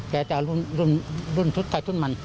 แต่จากรุ่นทุกท่ายทุ่นมัน